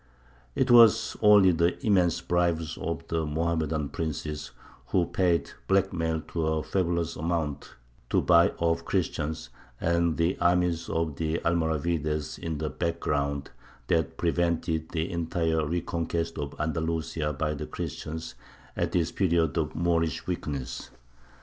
It was only the immense bribes of the Mohammedan princes (who paid blackmail to a fabulous amount to buy off the Christians), and the armies of the Almoravides in the background, that prevented the entire reconquest of Andalusia by the Christians at this period of Moorish weakness.